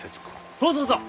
そうそうそう。